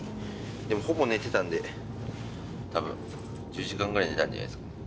でもほぼ寝てたんで、たぶん、１０時間ぐらい寝てたんじゃないですかね。